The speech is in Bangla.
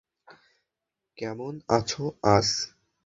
কেমন আছো আজ?